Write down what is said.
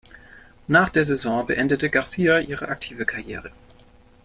Nach der Saison beendete Garcia ihre aktive Karriere.